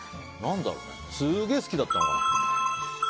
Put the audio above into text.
すげえ好きだったのかな？